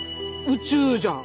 宇宙じゃん。